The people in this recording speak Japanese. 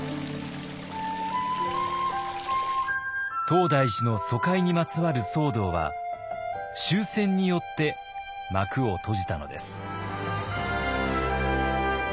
東大寺の疎開にまつわる騒動は終戦によって幕を閉じたのです。